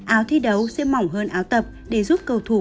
áo thi đấu sẽ mỏng hơn áo tập để giúp cầu thủ